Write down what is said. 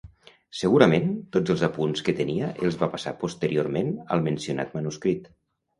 Segurament, tots els apunts que tenia els va passar posteriorment al mencionat manuscrit.